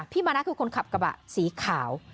มานะคือคนขับกระบะสีขาว